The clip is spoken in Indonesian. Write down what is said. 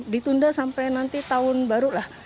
ditunda sampai nanti tahun baru lah